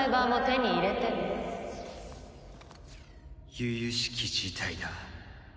由々しき事態だ。